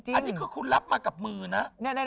อันนี้คือคุณรับมากับมือนะ